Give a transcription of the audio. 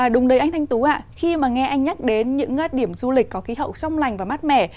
đúng đấy anh thanh tú ạ khi mà nghe anh nhắc đến những điểm du lịch có khí hậu trong lành và mát mẻ